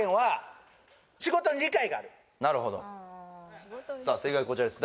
なるほどさあ正解はこちらです